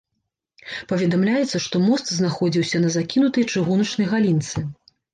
Паведамляецца, што мост знаходзіўся на закінутай чыгуначнай галінцы.